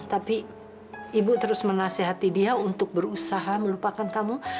tapi ibu terus menasehati dia untuk berusaha melupakan kamu